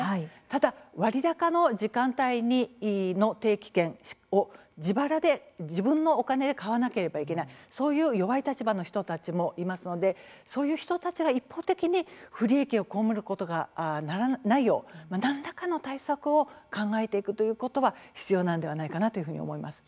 ただ、割高の時間帯の定期券を自腹で自分のお金で買わなければいけないそういう弱い立場の人たちもいますのでそういう人たちが一方的に不利益を被ることがないよう何らかの対策を考えていくということは必要なんではないかなというふうに思います。